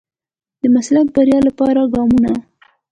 د مسلک د بريا لپاره ګامونه.